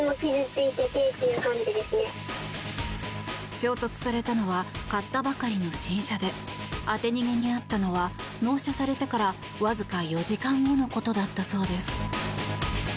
衝突されたのは買ったばかりの新車で当て逃げに遭ったのは納車されてからわずか４時間後のことだったそうです。